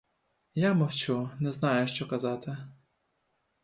Я мовчу, не знаю, що казати.